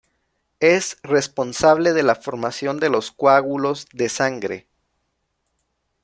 Es responsable de la formación de los coágulos de sangre.